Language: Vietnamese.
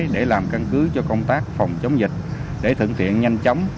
để làm căn cứ cho công tác phòng chống dịch để thưởng thiện nhanh chóng